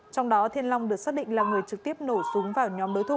trong đó thiên long được xác định là người trực tiếp nổ súng vào nhóm đối thủ